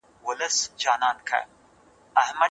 ښځې د نسل روزنه ښه کوي.